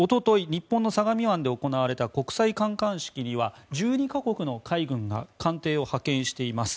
日本の相模湾で行われた国際観艦式には１２か国の海軍が艦艇を派遣しています。